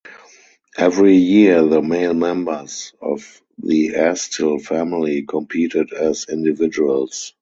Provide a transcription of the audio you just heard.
Every year the male members of the Astill family competed as individuals.